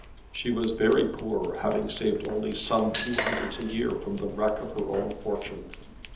She was very poor, having saved only some few hundreds a year from the wreck of her own fortune.